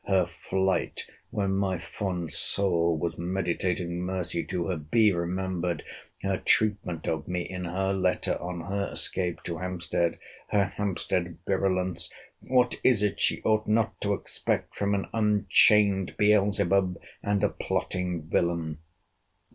Her flight, when my fond soul was meditating mercy to her!—Be remembered her treatment of me in her letter on her escape to Hampstead! Her Hampstead virulence! What is it she ought not to expect from an unchained Beelzebub, and a plotting villain?